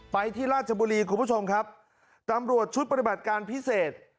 ไปที่ราชบุรีคุณผู้ชมครับตำรวจชุดปฏิบัติการพิเศษ